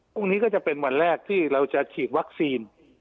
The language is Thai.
พรุ่งนี้ก็จะเป็นวันแรกที่เราจะฉีดวัคซีน